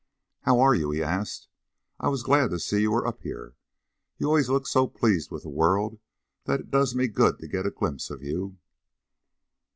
"How are you?" he asked. "I was glad to see you were up here. You always look so pleased with the world that it does me good to get a glimpse of you."